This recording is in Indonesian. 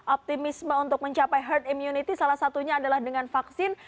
optimisme untuk mencapai herd immunity salah satunya adalah dengan vaksin